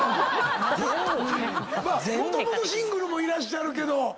まあもともとシングルもいらっしゃるけど。